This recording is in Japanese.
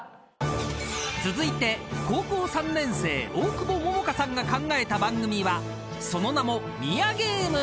［続いて高校３年生大久保百花さんが考えた番組はその名も］